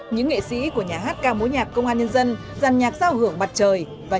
những nghệ sĩ của nhà hát ca mối nhạc công an nhân dân dàn nhạc giao hưởng mặt trời